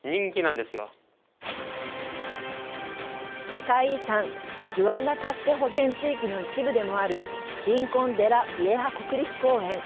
世界遺産、グアナカステ保全地域の一部でもあるリンコン・デ・ラ・ビエハ国立公園。